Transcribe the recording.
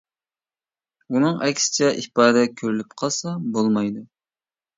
ئۇنىڭ ئەكسىچە ئىپادە كۆرۈلۈپ قالسا بولمايدۇ.